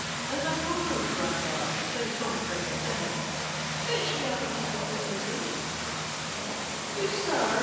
As a Cockroach ran by, says Tom Cricket to him, "Fetch me up a piece of potato, Good Sir!